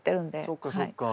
そっかそっか。